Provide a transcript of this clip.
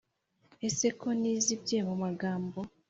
Ese ko nizimbye mumagambo?